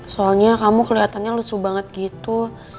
soalnya kamu kelihatannya lesu banget gitu